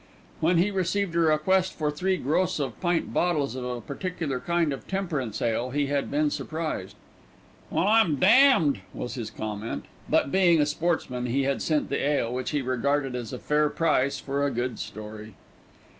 When he received a request for three gross of pint bottles of a particular kind of temperance ale he had been surprised. "Well, I'm damned!" was his comment; but being a sportsman he had sent the ale, which he regarded as a fair price for a good story.